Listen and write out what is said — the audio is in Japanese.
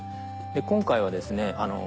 今回はですね